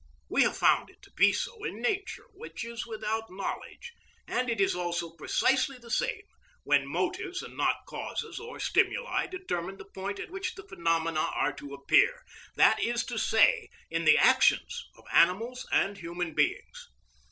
We have found it to be so in nature, which is without knowledge, and it is also precisely the same when motives and not causes or stimuli determine the point at which the phenomena are to appear, that is to say, in the actions of animals and human beings.